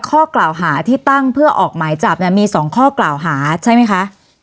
ข้อกล่าวหาที่ตั้งเพื่อออกหมายจับเนี่ยมี๒ข้อกล่าวหาใช่ไหมคะ